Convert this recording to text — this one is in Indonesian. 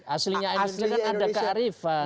aslinya indonesia kan ada kearifan